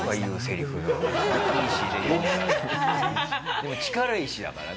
でも力石だからね。